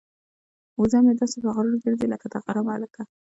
وزه مې داسې په غرور ګرځي لکه د غره ملکه.